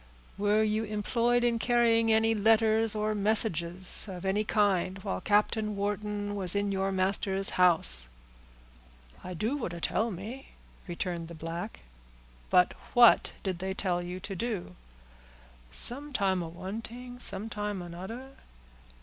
"Were you employed in carrying any letters or messages of any kind while Captain Wharton was in your master's house?" "I do what a tell me," returned the black. "But what did they tell you to do?" "Sometime a one ting—sometime anoder."